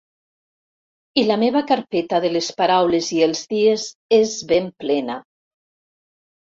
I la meva carpeta de les paraules i els dies és ben plena.